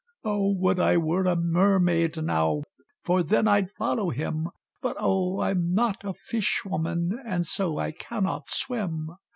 "O! would I were a mermaid now, For then I'd follow him; But, oh! I'm not a fish woman, And so I cannot swim.